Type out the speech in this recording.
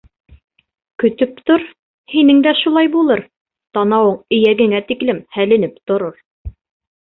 Көтөп тор, һинең дә шулай булыр, танауың эйәгеңә тиклем һәленеп торор!